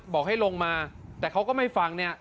บอกให้ลงมาแต่เขาก็ไม่ฟังเนี่ย